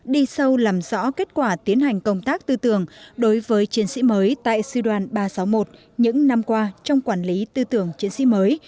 đi sâu làm rõ kết quả tiến hành công tác tư tưởng đối với chiến sĩ mới tại sư đoàn ba trăm sáu mươi một những năm qua trong quản lý tư tưởng chiến sĩ mới